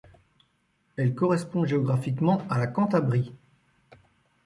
Elle correspond géographiquement à la Cantabrie.